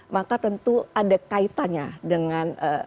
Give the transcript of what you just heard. maka tentu ada kaitannya dengan